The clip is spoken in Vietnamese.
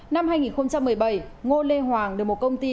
năm hai nghìn một mươi bảy ngô lê hoàng được một công ty